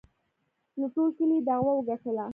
له ټول کلي یې دعوه وگټله